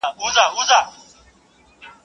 o له ږيري ئې واخيست پر برېت ئې کښېښووی.